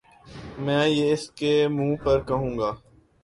میں یہ اسکے منہ پر کہوں گا